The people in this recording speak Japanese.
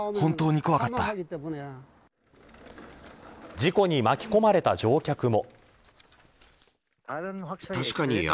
事故に巻き込まれた乗客も。